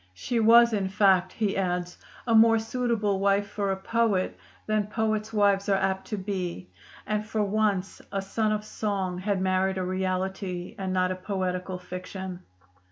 "She was, in fact," he adds, "a more suitable wife for a poet than poets' wives are apt to be; and for once a son of song had married a reality and not a poetical fiction."